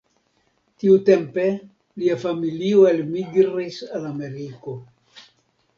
Tiutempe lia familio elmigris al Ameriko.